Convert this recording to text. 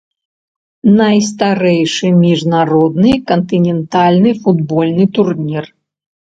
Найстарэйшы міжнародны кантынентальны футбольны турнір.